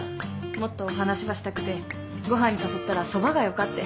もっとお話ばしたくてご飯に誘ったらそばがよかって。